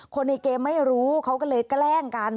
คนในเกมไม่รู้เขาก็เลยแกล้งกัน